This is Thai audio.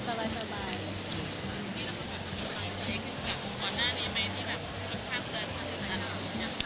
ค่อนข้างเดินขนาดนั้นอ่ะ